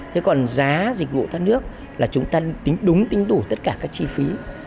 thế còn giá dịch vụ thoát nước là chúng ta tính đúng tính đủ tất cả các chi phí